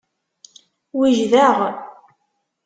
Wejdeɣ.